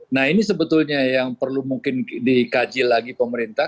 nah ini sebetulnya yang perlu mungkin dikaji lagi pemerintah